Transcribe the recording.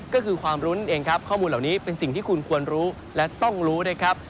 ก็คือความรุ้นเองครับข้อมูลเหล่านี้เป็นสิ่งที่คุณควรรู้และต้องรู้นะครับ